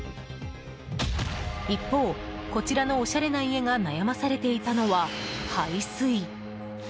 一方、こちらのおしゃれな家が悩まされていたのは排水。